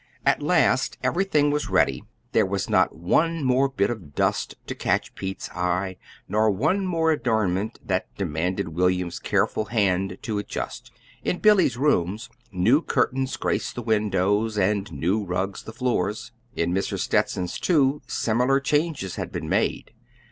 At last everything was ready. There was not one more bit of dust to catch Pete's eye, nor one more adornment that demanded William's careful hand to adjust. In Billy's rooms new curtains graced the windows and new rugs the floors. In Mrs. Stetson's, too, similar changes had been made.